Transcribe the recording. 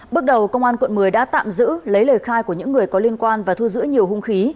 bước đầu công an quận một mươi đã tạm giữ lấy lời khai của những người có liên quan và thu giữ nhiều hung khí